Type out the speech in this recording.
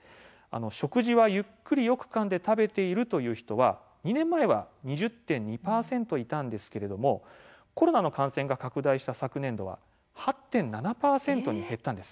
食事はゆっくりよくかんで食べているという人は２年前は２０．２％いたんですけれどもコロナの感染が拡大した昨年度は８．７％に減ったんです。